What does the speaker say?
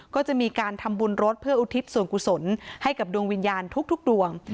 ก็จะมีการทำบุญรถเพื่ออุทิศส่วนกุศลให้กับดวงวิญญาณทุกดวง